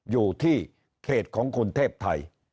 อยู่ที่เขตของคุณเทพไทย